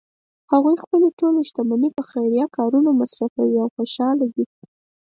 هغوی خپله ټول شتمني په خیریه کارونو مصرفوی او خوشحاله دي